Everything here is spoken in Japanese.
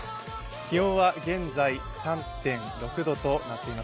気温は現在３．６度となっています。